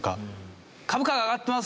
「株価が上がってます！